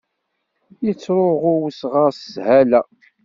Yettṛuɣu wesɣaṛ s sshala.